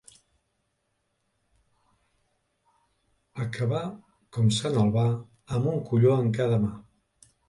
Acabar com sant Albà, amb un colló en cada mà.